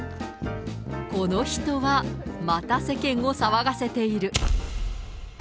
この人はまた世間を騒がせている。